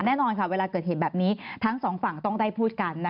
แน่นอนค่ะเวลาเกิดเหตุแบบนี้ทั้งสองฝั่งต้องได้พูดกัน